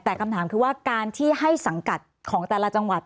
แต่คำถามคือว่าการที่ให้สังกัดของแต่ละจังหวัด